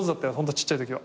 ちっちゃいときは。